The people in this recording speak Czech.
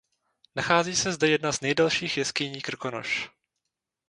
Nachází se zde jedna z nejdelších jeskyní Krkonoš.